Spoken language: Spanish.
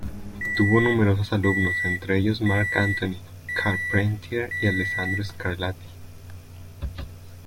Tuvo numerosos alumnos, entre ellos Marc-Antoine Charpentier y Alessandro Scarlatti.